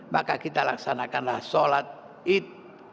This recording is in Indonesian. maka kita laksanakanlah salat idul fitri